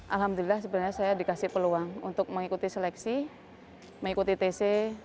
alhamdulillah sebenarnya saya dikasih peluang untuk mengikuti seleksi mengikuti tc